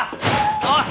おい！